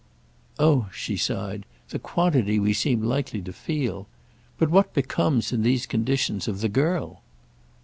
"Oh," she sighed, "the quantity we seem likely to 'feel'! But what becomes, in these conditions, of the girl?"